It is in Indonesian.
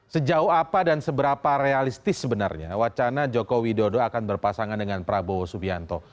sejauh apa dan seberapa realistis sebenarnya wacana jokowi dodo akan berpasangan dengan prabowo subianto